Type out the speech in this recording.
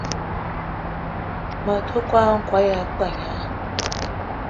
Me te kwal-n'kwal ya pagna